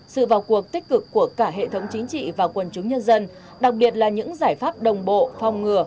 sự vào cuộc tích cực của cả hệ thống chính trị và quần chúng nhân dân đặc biệt là những giải pháp đồng bộ phòng ngừa